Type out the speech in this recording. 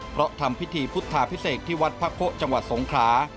เพราะทำพิธีพุทธาพิเศษที่วัดพระโพะจังหวัดสงขลา